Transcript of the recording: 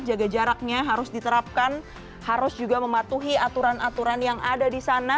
jaga jaraknya harus diterapkan harus juga mematuhi aturan aturan yang ada di sana